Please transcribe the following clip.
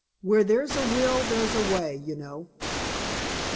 'Where there's a will there's a way,' you know."